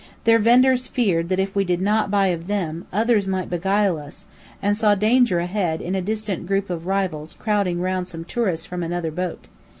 Their vendors feared that if we did not buy of them, others might beguile us, and saw danger ahead in a distant group of rivals crowding round some tourists from another boat.